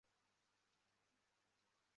町内没有铁路。